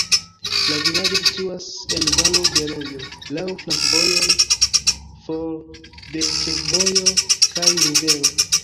La vilaĝo situas en valo de rojo, laŭ flankovojoj, for de ĉefvojo kaj rivero.